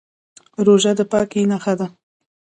روژه د پاکۍ نښه ده.